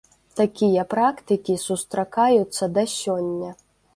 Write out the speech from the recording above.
Такія практыкі сустракаюцца да сёння.